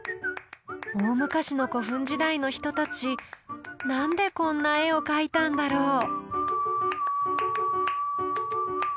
大昔の古墳時代の人たち何でこんな絵を描いたんだろう？